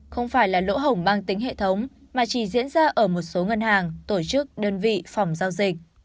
không phải là lỗ hổng mang tính hệ thống mà chỉ diễn ra ở một số ngân hàng tổ chức đơn vị phòng giao dịch